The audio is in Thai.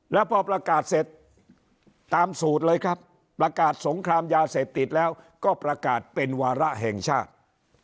แล้วพอประกาศเสร็จตามสูตรเลยครับประกาศสงครามยาเสพติดแล้วก็ประกาศเป็นวาระแห่งชาติ